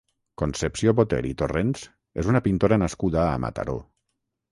Concepció Boter i Torrents és una pintora nascuda a Mataró.